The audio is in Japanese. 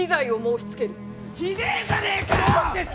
ひでえじゃねえかよ！